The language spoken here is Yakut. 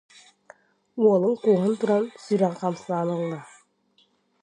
Уолун кууһан туран, сүрэҕэ хамсаан ылла